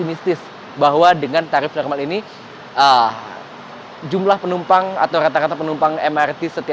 kita bisa melihat